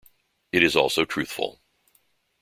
It is also truthful.